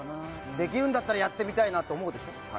できるならやってみたいなと思うでしょ？